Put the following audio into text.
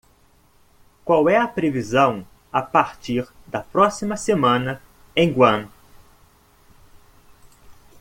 qual é a previsão a partir da próxima semana em Guam